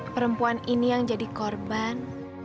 perempuan ini yang jadi korban